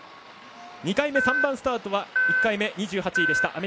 ２回目、３番スタートは１回目２８位でした。